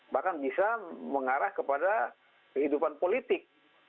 bahkan bisa mengarah kepada kehidupan politik